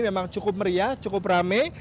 memang cukup meriah cukup rame